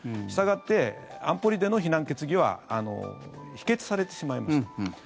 したがって安保理での非難決議は否決されてしまいました。